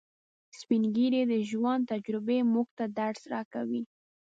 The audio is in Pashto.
سپین ږیری د ژوند تجربې موږ ته درس راکوي